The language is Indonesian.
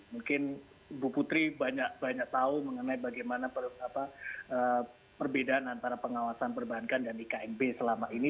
mungkin bu putri banyak tahu mengenai bagaimana perbedaan antara pengawasan perbankan dan iknb selama ini